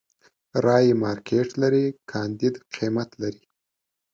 رايې مارکېټ لري، کانديد قيمت لري.